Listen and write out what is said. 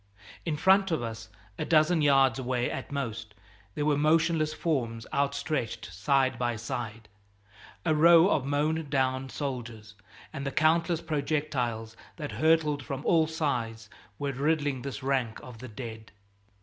In front of us, a dozen yards away at most, there were motionless forms outstretched side by side a row of mown down soldiers and the countless projectiles that hurtled from all sides were riddling this rank of the dead!